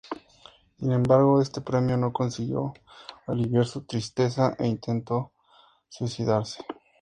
Sin embargo, este premio no consiguió aliviar su tristeza e intentó suicidarse.